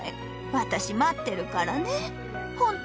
私、待ってるからね。